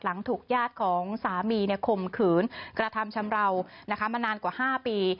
ถูกญาติของสามีข่มขืนกระทำชำราวมานานกว่า๕ปี